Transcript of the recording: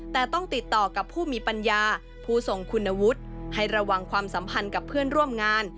แต่ต้องติดต่อกับผู้มีปัญญาผู้ทรงคุณวุฒิให้ระวังความสัมพันธ์กับเพื่อนร่วมงาน